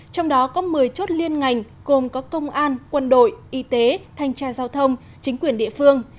trong đó có một mươi chốt liên ngành gồm có công an quân đội y tế thanh tra giao thông chính quyền địa phương